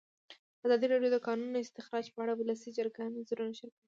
ازادي راډیو د د کانونو استخراج په اړه د ولسي جرګې نظرونه شریک کړي.